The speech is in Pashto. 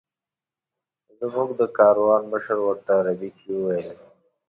زموږ د کاروان مشر ورته عربي کې وویل.